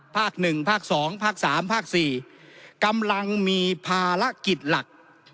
ภาคหนึ่งภาคสองภาคสามภาคสี่กำลังมีภารกิจหลัก